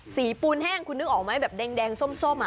ปูนแห้งคุณนึกออกไหมแบบแดงส้ม